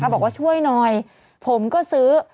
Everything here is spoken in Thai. บอกว่าช่วยหน่อยผมก็ซื้อ